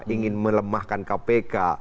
ingin melemahkan kpk